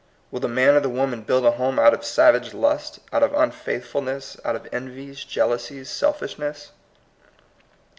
Will the man or the woman build a home out of savage lusts, out of unfaithfulness, out of envies, jealousies, selfishness?